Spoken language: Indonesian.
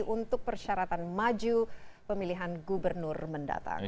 untuk persyaratan maju pemilihan gubernur mendatang